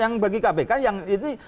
yang bagi kpk yang ini